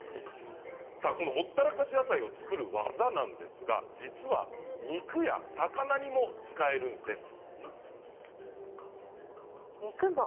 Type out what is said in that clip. このほったらかし野菜を作る技なんですが実は肉や魚にも使えるんです。